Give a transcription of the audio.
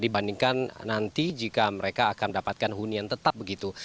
dibandingkan nanti jika mereka akan mendapatkan hunian tetap begitu